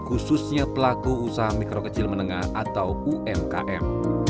khususnya pelaku usaha mikro kecil menengah atau umkm